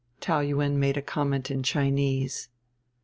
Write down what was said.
Taou Yuen made a comment in Chinese.